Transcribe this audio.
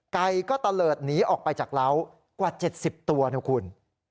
ไก่ก็ตะเลิดหนีออกไปจากเล้ากว่าเจ็ดสิบตัวนะครับคุณ